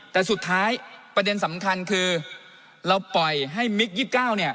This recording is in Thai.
แต่สุดท้ายประเด็นสำคัญคือเราปล่อยให้มิกส์ยี่สิบเก้าเนี่ย